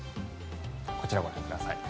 こちらをご覧ください。